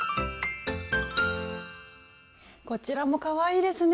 こちらもかわいいですね！